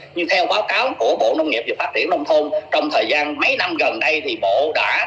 nhưng theo báo cáo của bộ nông nghiệp và phát triển nông thôn trong thời gian mấy năm gần đây thì bộ đã